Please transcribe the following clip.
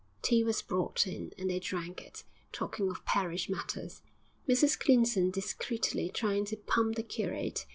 Tea was brought in, and they drank it, talking of parish matters, Mrs Clinton discreetly trying to pump the curate.